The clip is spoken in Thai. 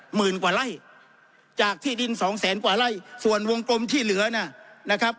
หมื่นกว่าไร่จากที่ดินสองแสนกว่าไร่ส่วนวงกลมที่เหลือน่ะนะครับ